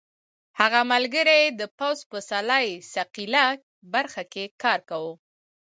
هغه ملګری یې د پوځ په سلاح ساقېله برخه کې کار کاوه.